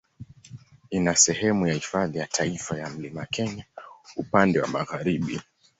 Ina sehemu ya Hifadhi ya Taifa ya Mlima Kenya upande wa magharibi.